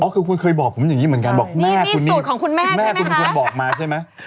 อ๋อคือคุณเคยบอกผมอย่างนี้เหมือนกันบอกแม่คุณคุณคุณควรบอกมาใช่ไหมนี่สูตรของคุณแม่ใช่ไหมคะ